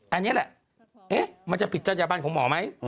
อันนี้แหละมันจะผิดจัญญบันของหมอไหม